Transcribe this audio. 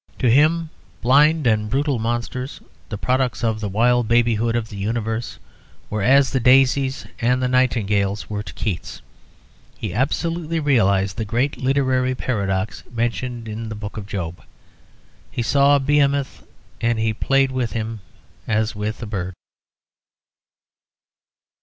To him blind and brutal monsters, the products of the wild babyhood of the Universe, were as the daisies and the nightingales were to Keats; he absolutely realised the great literary paradox mentioned in the Book of Job: "He saw Behemoth, and he played with him as with a bird."